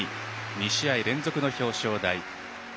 ２試合連続の表彰台。